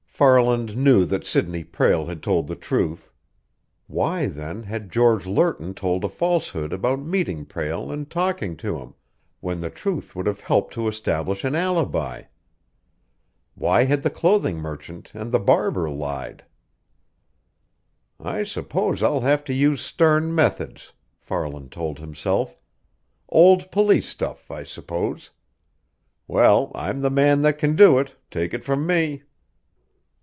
Farland knew that Sidney Prale had told the truth. Why, then, had George Lerton told a falsehood about meeting Prale and talking to him, when the truth would have helped to establish an alibi? Why had the clothing merchant and the barber lied? "I suppose I'll have to use stern methods," Farland told himself. "Old police stuff, I suppose. Well, I'm the man that can do it, take it from me!"